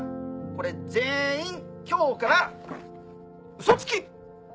これ全員今日から「嘘つき」。